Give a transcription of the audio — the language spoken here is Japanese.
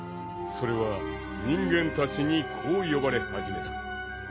［それは人間たちにこう呼ばれ始めた］